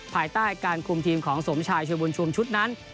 ภายใต้การคุมทีมของสมชายช่วยบุญชุมชุดนั้น